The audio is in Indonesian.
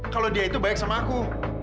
kalau dia itu baik sama aku